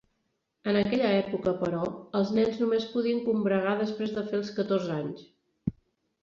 En aquella època, però, els nens només podien combregar després de fer els catorze anys.